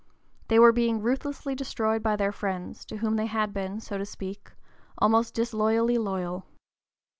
They were being ruthlessly destroyed by their friends, to whom they had been, so to speak, almost disloyally loyal.